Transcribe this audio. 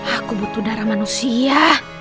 aku butuh darah manusia